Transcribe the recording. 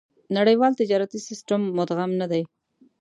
نړيوال تجارتي سېسټم مدغم نه دي.